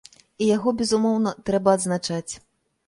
І яго, безумоўна, трэба адзначаць.